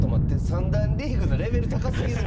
三段リーグのレベル高すぎる！